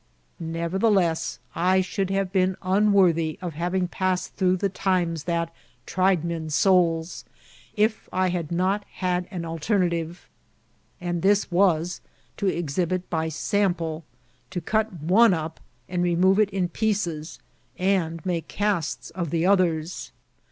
Nevertheless, I should have been unworthy of having passed through the times ^^ that tried men's souIb" if I had not had an alternative ; and this was to exhibit by sample : to cut one up and remove it in pieces, and make casts of the others.